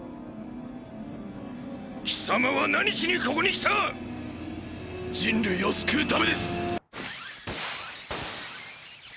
貴様は何しにここに来た⁉人類を救うためです！！